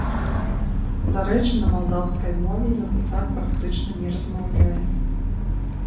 Дарэчы, на малдаўскай мове ён і так практычна не размаўляе.